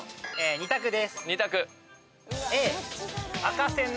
２択です。